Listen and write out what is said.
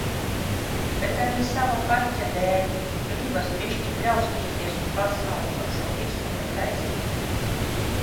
Bet arī sava kaķa dēļ. Gribas bišķi bļaustīties uz pasauli par šo visu netaisnību.